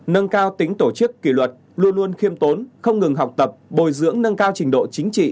nâng cao tính tổ chức kỷ luật luôn luôn khiêm tốn không ngừng học tập bồi dưỡng nâng cao trình độ chính trị